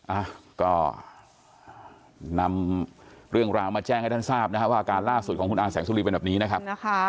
อ่ะก็นำเรื่องราวมาแจ้งให้ท่านทราบนะฮะว่าอาการล่าสุดของคุณอาแสงสุรีเป็นแบบนี้นะครับ